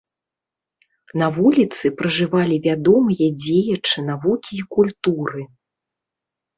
На вуліцы пражывалі вядомыя дзеячы навукі і культуры.